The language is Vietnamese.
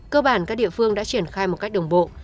cơ bản các địa phương đã triển khai một cách đồng bộ